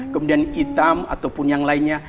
kemudian hitam ataupun yang lainnya